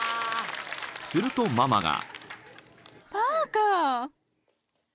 ［するとママが］